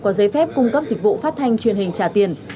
có giấy phép cung cấp dịch vụ phát thanh truyền hình trả tiền